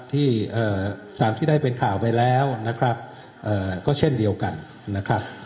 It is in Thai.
ที่ตามที่ได้เป็นข่าวไปแล้วนะครับก็เช่นเดียวกันนะครับ